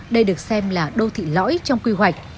đây được xem là đô thị lõi trong quy hoạch